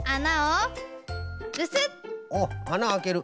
おっあなあける。